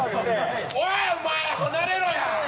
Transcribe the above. おいお前離れろや！